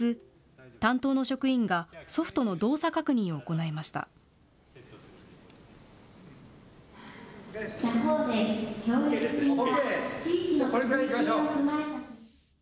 担当の職員がソフトの動作確認を行いました。